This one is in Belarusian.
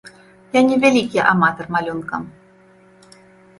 Я не вялікі аматар малюнка.